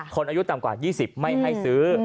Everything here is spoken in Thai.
อายุต่ำกว่า๒๐ไม่ให้ซื้อ